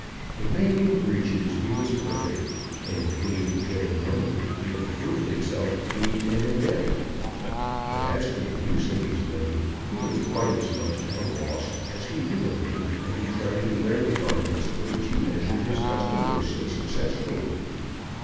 In making breeches he was perfect, and in putting together money he had proved himself to be an adept. But as to the use of his money, he was quite as much at a loss as he would have been had he tried to wear the garments for which he measured his customers so successfully.